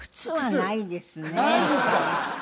ないですか！